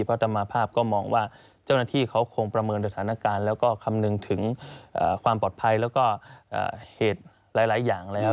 อัตมาภาพก็มองว่าเจ้าหน้าที่เขาคงประเมินสถานการณ์แล้วก็คำนึงถึงความปลอดภัยแล้วก็เหตุหลายอย่างแล้ว